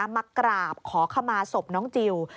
มากราบขอขมาศพน้องจิล